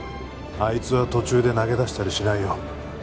あいつは途中で投げ出したりしないよ